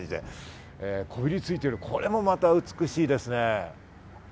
こびりついている、これもまた美しいですね。